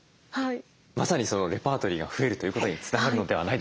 まさにそのレパートリーが増えるということにつながるのではないでしょうか。